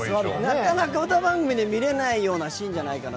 なかなか歌番組で見れないようなシーンじゃないかな。